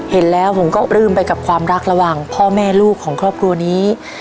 เห็นแล้วผมก็ปลื้มไปกับความรักระหว่างพ่อแม่ลูกของครอบครัวนี้